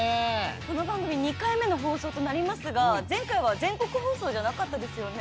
この番組２回目の放送ですが前回は全国放送じゃなかったですよね。